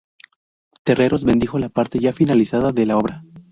Terreros bendijo la parte ya finalizada de la obra.